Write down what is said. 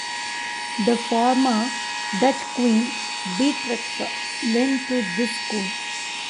The former Dutch Queen Beatrix went to this school.